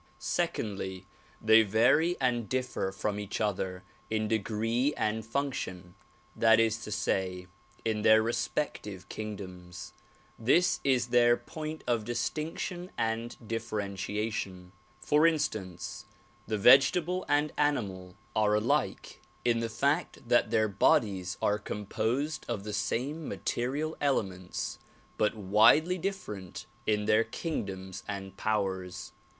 Secondly, they vaiy and differ from each other in degree and func tion ; that is to say in their respective kingdoms. This is their point of distinction and differentiation. For instance, the vegetable and animal are alike in the fact that their bodies are composed of the same material elements; but widely different in their kingdoms and powers.